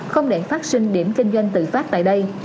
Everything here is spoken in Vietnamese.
không để phát sinh điểm kinh doanh tự phát tại đây